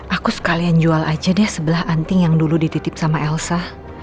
aku sekalian jual aja deh sebelah anting yang dulu dititip sama elsa